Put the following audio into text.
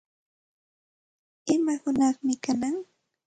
¿Ima hunaqmi kanan?